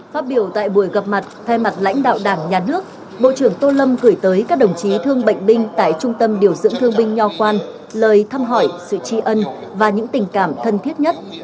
phát biểu tại buổi gặp mặt thay mặt lãnh đạo đảng nhà nước bộ trưởng tô lâm gửi tới các đồng chí thương bệnh binh tại trung tâm điều dưỡng thương binh nho quan lời thăm hỏi sự tri ân và những tình cảm thân thiết nhất